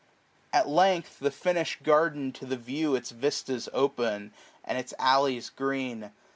At length the finish'd garden to the view Its vistas opens, and its alleys green.